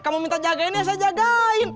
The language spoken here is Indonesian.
kamu minta jagainnya saya jagain